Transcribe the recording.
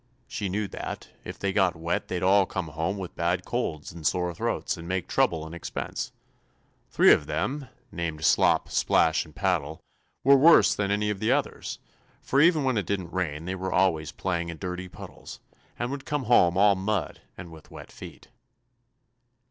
She knew that, if they got wet they'd all come home with bad colds and sore throats and make trouble and expense. Three of them named Slop, Splash and Paddle were worse than any of the others, for even when it didn't rain they were always playing in dirty puddles, and would come home all mud and with wet feet.'"